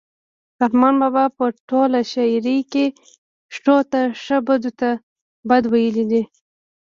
رحمان بابا په ټوله شاعرۍ کې ښو ته ښه بدو ته بد ویلي دي.